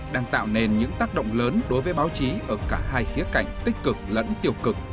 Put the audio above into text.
đang tạo nên những tác động lớn đối với báo chí ở cả hai khía cạnh tích cực lẫn tiêu cực